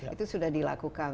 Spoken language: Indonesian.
itu sudah dilakukan